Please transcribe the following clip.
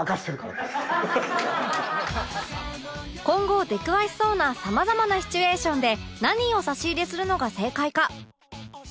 今後出くわしそうなさまざまなシチュエーションで何を差し入れするのが正解か？